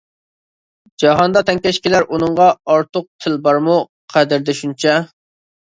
جاھاندا تەڭكەش كېلەر ئۇنىڭغا، ئارتۇق تىل بارمۇ قەدىردە شۇنچە.